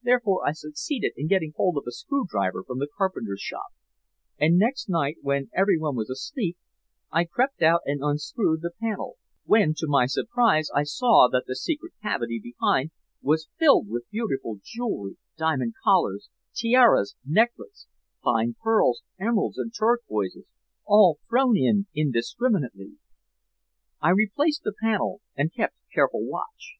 Therefore I succeeded in getting hold of a screwdriver from the carpenter's shop, and next night, when everyone was asleep, I crept out and unscrewed the panel, when to my surprise I saw that the secret cavity behind was filled with beautiful jewelry, diamond collars, tiaras, necklets, fine pearls, emeralds and turquoises, all thrown in indiscriminately. "I replaced the panel and kept careful watch.